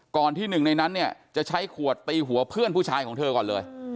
ที่หนึ่งในนั้นเนี่ยจะใช้ขวดตีหัวเพื่อนผู้ชายของเธอก่อนเลย